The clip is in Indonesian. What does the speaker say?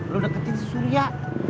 lu deketin si surya